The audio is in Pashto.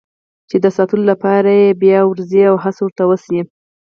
چې د ساتلو لپاره یې بیا وارزي او هڅه ورته وشي.